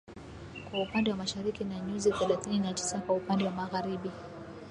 kwa upande wa Mashariki na nyuzi thelathini na tisa kwa upande wa Magharibi